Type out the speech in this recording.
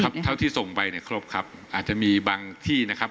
เท่าที่ส่งไปเนี่ยครบครับอาจจะมีบางที่นะครับ